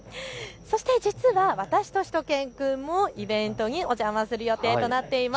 そして実は私としゅと犬くんもイベントにお邪魔する予定となっています。